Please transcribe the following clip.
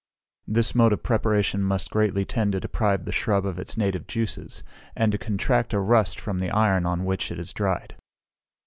This mode of preparation must greatly tend to deprive the shrub of its native juices, and to contract a rust from the iron on which it is dried.